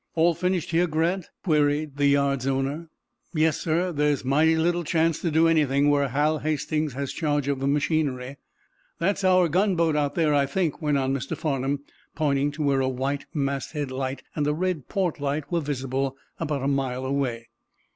"All finished here, Grant?" queried the yard's owner. "Yes, sir. There's mighty little chance to do anything where Hal Hastings has charge of the machinery." "That's our gunboat out there, I think," went on Mr. Farnum, pointing to where a white masthead light and a red port light were visible, about a mile away.